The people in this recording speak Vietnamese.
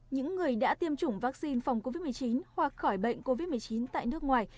những người đã tiêm chủng vaccine phòng covid một mươi chín hoặc khỏi bệnh covid một mươi chín tại nước ngoài